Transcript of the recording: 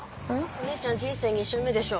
お姉ちゃん人生２周目でしょ？